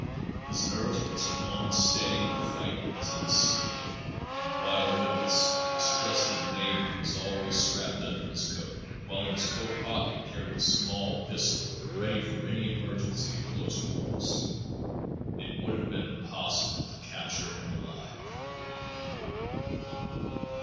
His nerves were as calm and steady in a fight as in his sleep, and while with us his trusted "navy" was always strapped under his coat, while in his coat pocket he carried a small pistol ready for any emergency at close quarters. It would have been impossible to capture him alive."